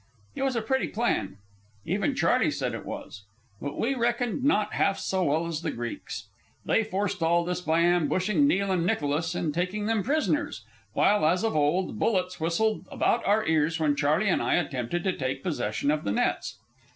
It was a pretty plan. Even Charley said it was. But we reckoned not half so well as the Greeks. They forestalled us by ambushing Neil and Nicholas and taking them prisoners, while, as of old, bullets whistled about our ears when Charley and I attempted to take possession of the nets.